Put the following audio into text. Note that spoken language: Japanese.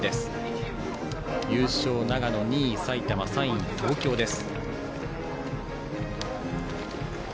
優勝は長野、２位に埼玉３位、東京です。